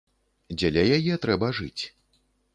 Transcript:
Дзеля яе трэба жыць.